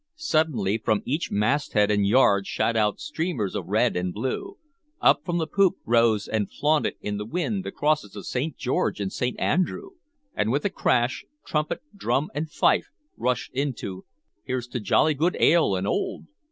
Suddenly, from each masthead and yard shot out streamers of red and blue, up from the poop rose and flaunted in the wind the crosses of St. George and St. Andrew, and with a crash trumpet, drum, and fife rushed into "Here's to jolly good ale and old!"